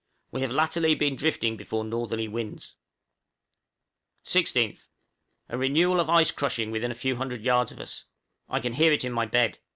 We have latterly been drifting before northerly winds. {ICE ARTILLERY.} 16th. A renewal of ice crushing within a few hundred yards of us. I can hear it in my bed.